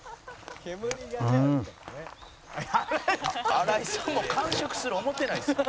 「荒井さんも完食する思ってないですって」